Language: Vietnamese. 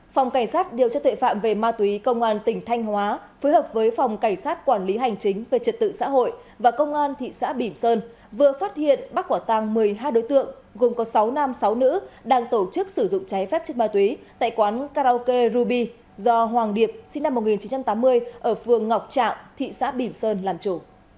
phòng cảnh sát điều tra tuệ phạm về ma túy công an tỉnh thanh hóa phối hợp với phòng cảnh sát quản lý hành chính về trật tự xã hội và công an thị xã bìm sơn vừa phát hiện bắt quả tàng một mươi hai đối tượng gồm có sáu nam sáu nữ đang tổ chức sử dụng cháy phép chất ma túy tại quán karaoke ruby do hoàng điệp sinh năm một nghìn chín trăm tám mươi ở phường ngọc trạng thị xã bìm sơn làm chủ